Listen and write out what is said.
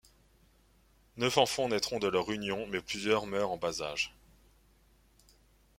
Neuf enfants naîtront de leur union, mais plusieurs meurent en bas âge.